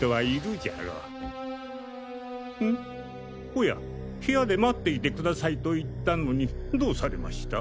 おや部屋で待っていてくださいと言ったのにどうされました？